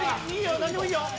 いいよ